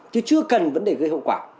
chứ chưa cần vấn đề gây hậu quả